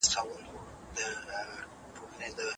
د ښيښي سکرو کارول کله د پخوانیو خلګو تر منځ دود سو؟